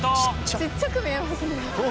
ちっちゃく見えますね。